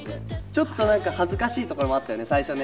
ちょっとなんか恥ずかしいところもあったよね、最初ね。